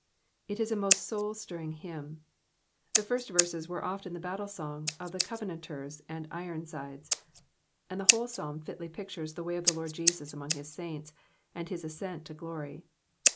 It is a most soul birring hymn. Hie first verses were often the battle song of the Covenanta s and Ironsides ; and the whole Psalm filly pictures the way of the Lord Jesus among his saints, and his ascent to glory.